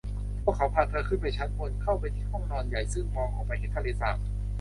พวกเขาพาเธอขึ้นไปชั้นบนเข้าไปที่ห้องนอนใหญ่ซึ่งมองออกไปเห็นทะเลสาบ